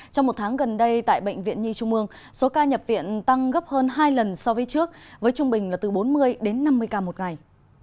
trong một tháng gần đây tại bệnh viện nhi trung mương số ca nhập viện tăng gấp hơn hai lần so với trước với trung bình là từ bốn mươi đến năm mươi ca một ngày